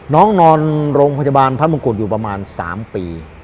น้องนอนโรงพยาบาลพระมงกุฎอยู่ประมาณ๓ปี